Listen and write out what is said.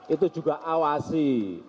itu juga awasi